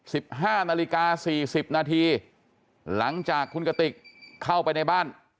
สิบห้านาฬิกาสี่สิบนาทีหลังจากคุณกติกเข้าไปในบ้าน